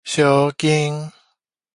相楗